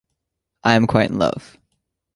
I am quite in love.